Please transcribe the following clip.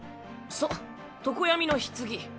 そっ「常闇の棺」。